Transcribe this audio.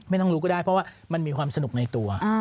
ไม่ต้องรู้ก็ได้เพราะว่ามันมีความสนุกในตัว